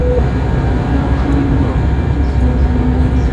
داوود خان هوتک سوړ اسويلی وايست.